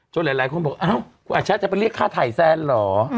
โชคหลายคนบอกอ้าวอัจฉริยะจะไปเรียกค่าถ่ายแซนเหรอ